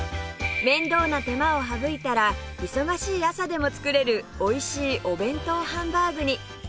面倒な手間を省いたら忙しい朝でも作れるおいしいお弁当ハンバーグに